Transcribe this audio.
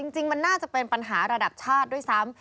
จริงมันน่าจะเป็นปัญหาระดับชาติด้วยซ้ำ